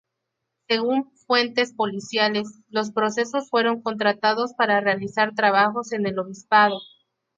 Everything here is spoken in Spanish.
Según fuentes policiales, los presos fueron contratados para realizar trabajos en el obispado.